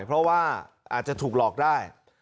เพราะว่าอาจจะถูกหลอกได้